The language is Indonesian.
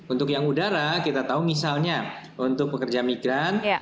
untuk yang udara kita tahu misalnya untuk pekerja migran